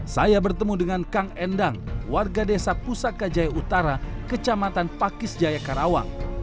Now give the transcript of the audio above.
saya bertemu dengan kang endang warga desa pusaka jaya utara kecamatan pakis jaya karawang